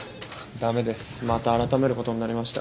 駄目ですまた改めることになりました。